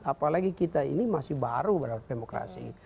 apalagi kita ini masih baru dalam demokrasi